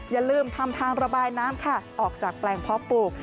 อย่าลืมทำทางระบายน้ำค่ะออกจากแปลงเพาะปลูก